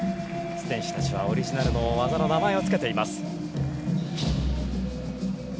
選手たちはオリジナルの技の名前をつけています。